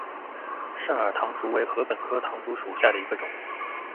肾耳唐竹为禾本科唐竹属下的一个种。